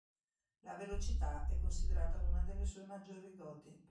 La velocità è considerata una delle sue maggiori doti.